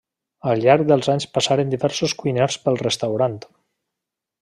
Al llarg dels anys passaren diversos cuiners pel restaurant.